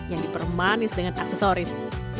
yang dipermanis dengan aksesoris